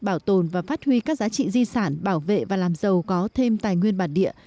bảo tồn và phát huy các giá trị di sản bảo vệ và làm giàu có thêm tài nguyên bản địa